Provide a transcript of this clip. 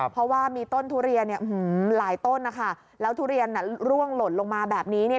เพราะว่ามีต้นทุเรียนเนี่ยหือหลายต้นนะคะแล้วทุเรียนน่ะล่วงหลดลงมาแบบนี้เนี่ย